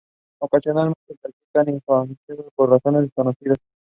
Much of his musical work is likewise inspired by Tolkien's writings.